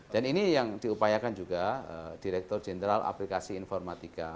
dan ini yang diupayakan juga direktur jenderal aplikasi informatika